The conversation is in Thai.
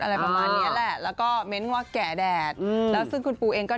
อะไรประมาณเนี้ยแหละแล้วก็เม้นต์ว่าแก่แดดอืมแล้วซึ่งคุณปูเองก็